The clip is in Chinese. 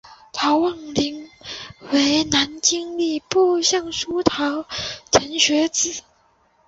陶望龄为南京礼部尚书陶承学之子。